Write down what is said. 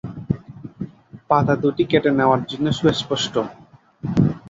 পাতা দুটি কেটে নেওয়ার চিহ্ন সুস্পষ্ট।